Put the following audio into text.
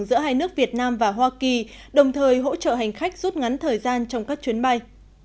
giữa hai nước việt nam và hoa kỳ đồng thời hỗ trợ hành khách rút ngắn thời gian trong các chuyến bay